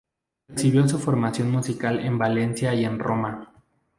Recibió su formación musical en Valencia y en Roma.